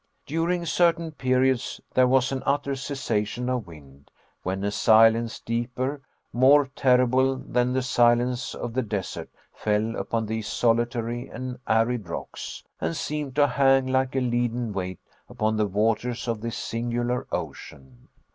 During certain periods there was an utter cessation of wind, when a silence deeper, more terrible than the silence of the desert fell upon these solitary and arid rocks and seemed to hang like a leaden weight upon the waters of this singular ocean.